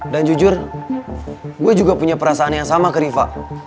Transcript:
dan jujur gue juga punya perasaan yang sama ke riva